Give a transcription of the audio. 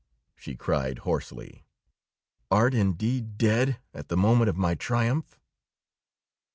she cried hoarsely. "Art indeed dead, at the moment of my triumph?"